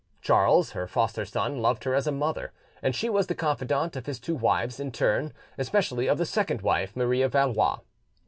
Charles, her foster son, loved her as a mother, and she was the confidante of his two wives in turn, especially of the second wife, Marie of Valois.